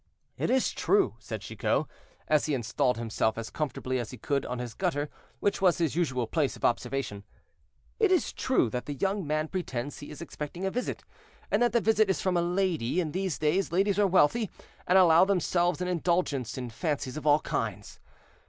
"It is true," said Chicot, as he installed himself as comfortably as he could on his gutter, which was his usual place of observation; "it is true that the young man pretends he is expecting a visit, and that the visit is from a lady; in these days, ladies are wealthy, and allow themselves an indulgence in fancies of all kinds.